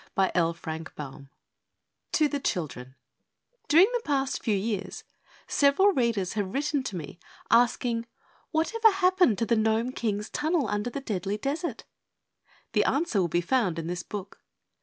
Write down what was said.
]TO THE CHILDREN During the past few years, several readers have written me asking: "What ever happened to the Nome King's tunnel under the Deadly Desert?" The answer will be found in this book.